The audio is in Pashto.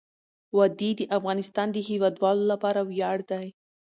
وادي د افغانستان د هیوادوالو لپاره ویاړ دی.